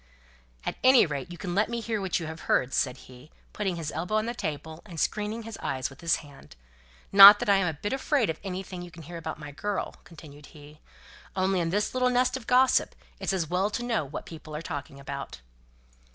"At any rate, you can let me hear what you've heard," said he, putting his elbow on the table, and screening his eyes with his hand. "Not that I'm a bit afraid of anything you can hear about my girl," continued he. "Only in this little nest of gossip, it's as well to know what people are talking about."